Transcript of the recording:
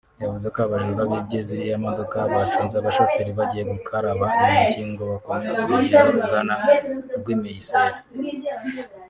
yavuze ko abajura bibye ziriya modoka bacunze abashoferi bagiye gukaraba intoki ngo bakomeze urugendo rugana rw’i Meissen